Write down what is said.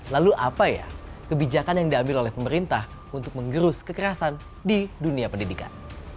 lalu apa ya kebijakan yang diambil oleh pemerintah untuk menggerus kekerasan di dunia pendidikan